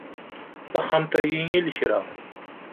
Taxxamt-ayi i lekra.